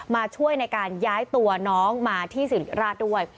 มาช่วยในการย้ายตัวน้องมาที่สิริราชด้วย